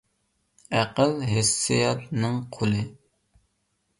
ئەقىل ھېسسىياتنىڭ قۇلى.